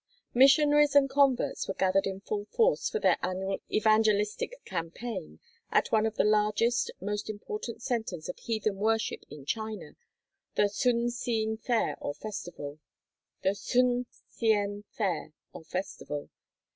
Missionaries and converts were gathered in full force for their annual evangelistic campaign at one of the largest, most important centers of heathen worship in China—the Hsun Hsien Fair or Festival.